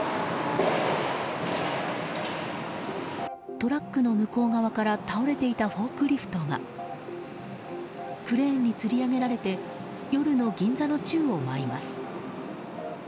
トラックの向こう側から倒れていたフォークリフトがクレーンにつり上げられて夜の銀座の宙を舞います。